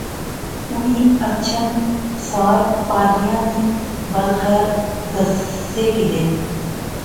انی اچھن سار پارلیاں نی بل خیر دسے کنے